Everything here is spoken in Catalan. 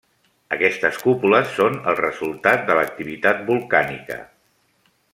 Aquestes cúpules són el resultat de l'activitat volcànica.